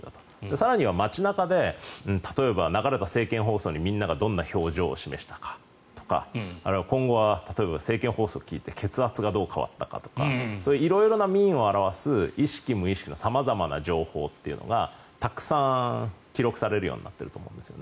更には街中で例えば政権放送でみんながどんな表情を示したかとかあるいは今後は政権発足を聞いて血圧がどう変わったかとか色々な民意を表す意識・無意識の様々な情報というのがたくさん記録されるようになっていると思うんです。